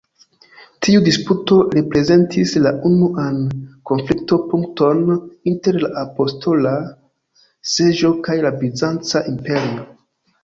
Tiu disputo reprezentis la unuan konflikto-punkton inter la Apostola Seĝo kaj la bizanca imperio.